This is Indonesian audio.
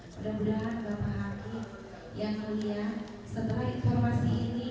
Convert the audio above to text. mudah mudahan bapak hati yang melihat setelah informasi ini